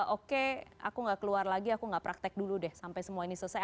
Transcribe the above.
oke aku gak keluar lagi aku gak praktek dulu deh sampai semua ini selesai